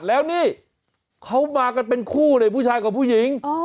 แล้วนี่เขามากันเป็นคู่เนี่ยผู้ชายกับผู้หญิง